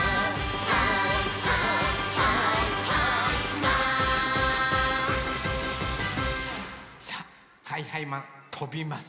「はいはいはいはいマン」さあはいはいマンとびます！